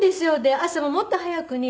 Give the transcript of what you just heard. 朝ももっと早くに。